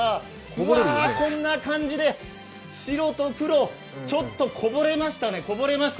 うわあ、こんな感じで白と黒、ちょっとこぼれましたね。